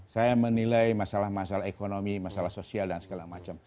saya menilai masalah masalah ekonomi masalah sosial dan segala macam